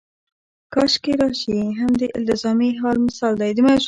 کاشکې راشي هم د التزامي حال مثال دی.